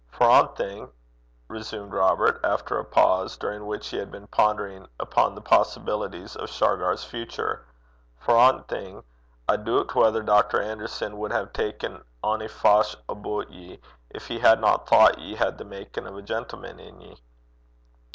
'For ae thing,' resumed Robert, after a pause, during which he had been pondering upon the possibilities of Shargar's future 'for ae thing, I doobt whether Dr. Anderson wad hae ta'en ony fash aboot ye, gin he hadna thocht ye had the makin' o' a gentleman i' ye.'